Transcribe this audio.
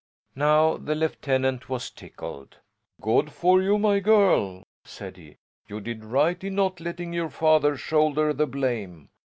Now the lieutenant was tickled. "Good for you, my girl!" said he. "You did right in not letting your father shoulder the blame.